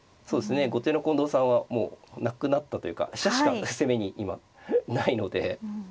後手の近藤さんはもうなくなったというか飛車しか攻めに今ないので。